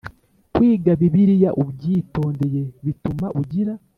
Kwiga Bibiliya ubyitondeye bituma ugira